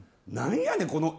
何やねん